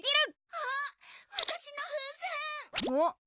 あっ？